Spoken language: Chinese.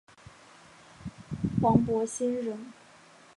王柏心人。